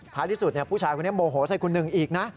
ที่สุดผู้ชายคนนี้โมโหใส่คุณหนึ่งอีกนะ